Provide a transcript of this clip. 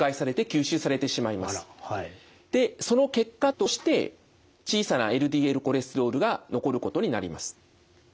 でその結果として小さなＬＤＬコレステロールが残ることになります。